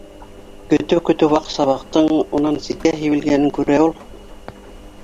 Көтөү-көтөү ваҡ сабаҡтың унан ситкә һибелгәнен күрә ул